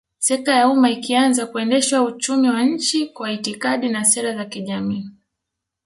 Sekta ya umma ikaanza kuendesha uchumi wa nchi Kwa itikadi na sera za kijamaa